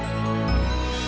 saya juga pulang dulu ya